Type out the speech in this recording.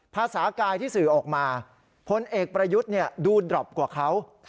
ภาษากายที่สื่อออกมาพลเอกประยุทธ์ดูดรอปกว่าเขา